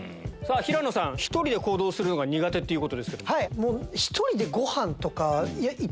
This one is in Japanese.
平野さん１人で行動するのが苦手っていうことですけども。